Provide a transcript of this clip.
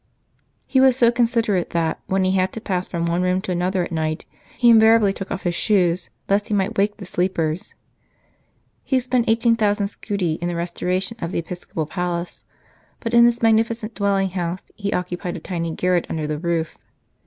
He was so considerate that, when he had to pass from one room to another at night, he invariably took off his shoes, lest he might wake the sleepers. He spent 18,000 scudi in the restoration of the episcopal palace, but in this magnificent dwelling house he occupied a tiny garret under the roof.